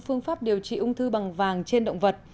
phương pháp điều trị ung thư bằng vàng trên động vật